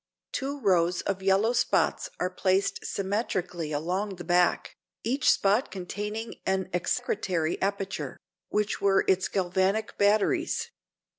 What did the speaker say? Two rows of yellow spots are placed symmetrically along the back, each spot containing an execretary aperture, which were its galvanic batteries.